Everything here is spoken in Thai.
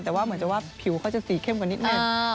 แต่ว่าเหมือนจะว่าผิวเขาจะสีเข้มกว่านิดนึง